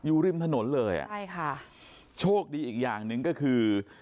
อยู่ริ่มถนนเลยอ่ะโชคดีอีกอย่างหนึ่งก็คือ